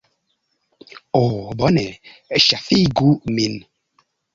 Oh bone! Ŝafigu min.